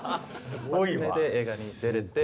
それで映画に出れて。